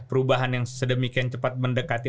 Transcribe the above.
perubahan yang sedemikian cepat mendekati